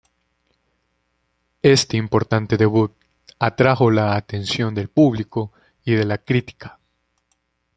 Este importante debut atrajo la atención del público y de la crítica.